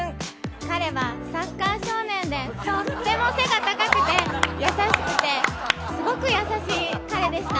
彼はサッカー少年でとっても背が高くて優しくて、すごく優しい彼でした。